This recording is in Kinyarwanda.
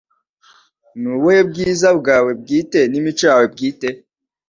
Ni ubuhe bwiza bwawe bwite n'imico yawe bwite